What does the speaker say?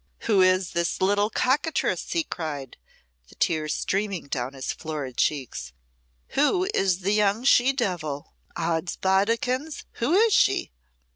"Who is the little cockatrice?" he cried, the tears streaming down his florid cheeks. "Who is the young she devil? Ods bodikins, who is she?"